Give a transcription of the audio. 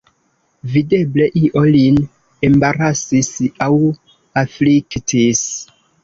Videble io lin embarasis aŭ afliktis.